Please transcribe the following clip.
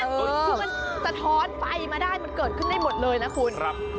คือมันสะท้อนไฟมาได้มันเกิดขึ้นได้หมดเลยนะคุณ